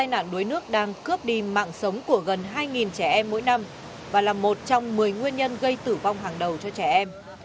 nạn đuối nước đang cướp đi mạng sống của gần hai trẻ em mỗi năm và là một trong một mươi nguyên nhân gây tử vong hàng đầu cho trẻ em